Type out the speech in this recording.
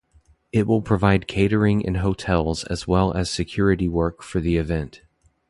It will provide catering and hotels as well as security work for the event.